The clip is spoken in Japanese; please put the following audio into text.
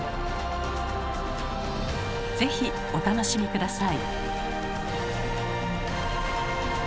是非お楽しみ下さい。